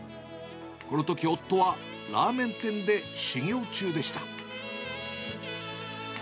このとき、夫はラーメン店で修業中でした。